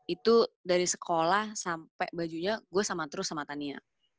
itu dari sekolah sampai bajunya gue sama terus sama tania